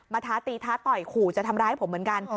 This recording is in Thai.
ท้าตีท้าต่อยขู่จะทำร้ายผมเหมือนกัน